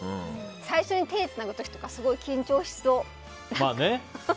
最初に手をつなぐときとか緊張しそう。